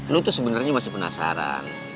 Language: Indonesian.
lu tuh sebenarnya masih penasaran